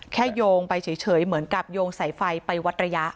โยงไปเฉยเหมือนกับโยงสายไฟไปวัดระยะ